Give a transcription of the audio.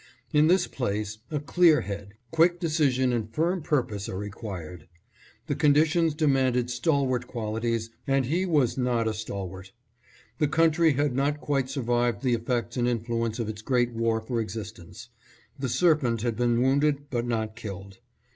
In this place, a clear head, quick decision and firm purpose are required. The conditions demanded stalwart qualities and he was not a stalwart. The coun try had not quite survived the effects and influence of its great war for existence. The serpent had been wounded but not killed.